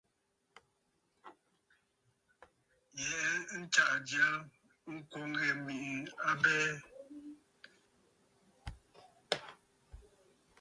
Yɛ̀ʼɛ̀ ntsaʼà jya ŋkwòŋ ŋghɛ mèʼê abɛɛ.